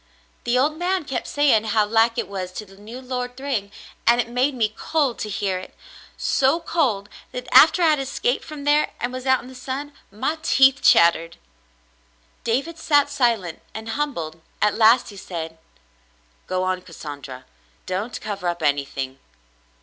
The old man kept saying how like it was to the new Lord Thryng, and it made me cold to hear it, — so cold that after I had escaped from there and was out in the sun, my teeth chattered." The Shadow Lifts 307 David sat silent and humbled; at last he said: "Go on, Cassandra. Don't cover up anything."